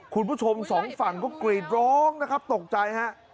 คุณผู้ชมสองฝั่งก็กรีดร้องนะครับตกใจฮะ